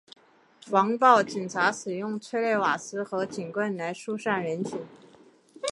防暴警察使用催泪瓦斯和警棍来疏散人群。